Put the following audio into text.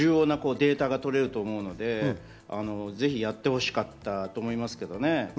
それをやれば重要なデータが取れると思うのでぜひやってほしかったと思います。